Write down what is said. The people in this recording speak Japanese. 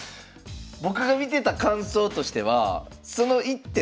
僕が見てた感想としてはその一手